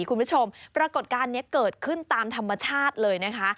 คุณผู้ชมปรากฏการณ์นี้เกิดขึ้นตามธรรมชาติเลยนะคะ